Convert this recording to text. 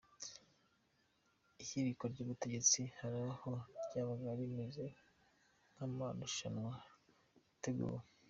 Ihirikwa ry’ubutegetsi, hari aho ryabaga rimeze nk’ amarushanwa yateguwe.